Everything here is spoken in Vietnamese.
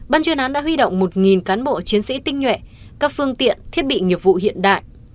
ban chuyên án đã huy động một cán bộ chiến sĩ tinh nhuệ các phương tiện thiết bị nghiệp vụ hiện đại